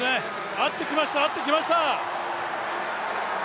合ってきました、合ってきました。